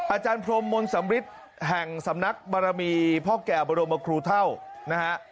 อาจารย์พรมมนต์สำริทแห่งสำนักบารมีพ่อแก่บรมครูเท่านะฮะ